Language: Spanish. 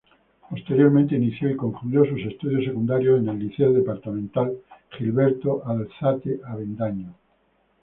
Posteriormente inició y concluyó sus estudios secundarios en el Liceo Departamental Gilberto Alzate Avendaño.